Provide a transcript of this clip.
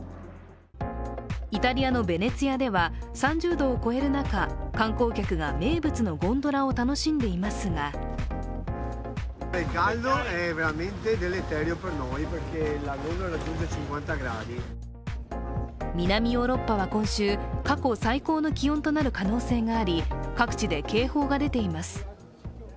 イタリアのベネチアでは３０度を超える中観光客が名物のゴンドラを楽しんでいますが南ヨーロッパは今週、過去最高の気温となる可能性があり、各地で警報が出ています。